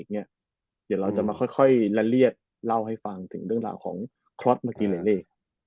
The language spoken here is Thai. เดี๋ยวเราจะมาค่อยละเรียกเล่าให้ฟังถึงเรื่องราวของคล็อตเมื่อกี้เลยนี่